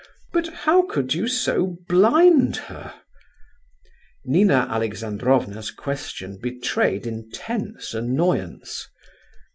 But how could you so blind her?" Nina Alexandrovna's question betrayed intense annoyance.